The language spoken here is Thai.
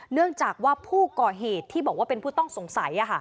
เนื่องจากว่าผู้ก่อเหตุที่บอกว่าเป็นผู้ต้องสงสัย